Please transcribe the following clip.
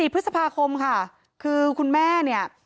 ๔พฤษภาคมค่ะคือคุณแม่เนี่ย